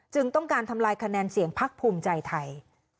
ต้องการทำลายคะแนนเสียงพักภูมิใจไทย